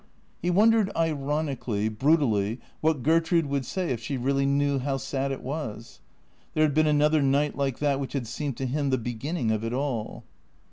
He wondered ironically, brutally, what Gertrude would say if she really know how sad it was. There had been another night like that which had seemed to him the beginning of it all.